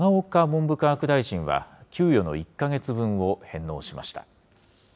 文部科学大臣は、給与の１か月分を返納しました。